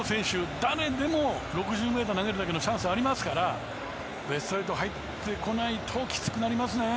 誰でも６０ｍを投げるためのチャンスありますからベスト８入ってこないときつくなりますね。